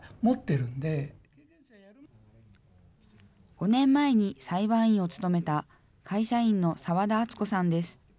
５年前に裁判員を務めた会社員の澤田敦子さんです。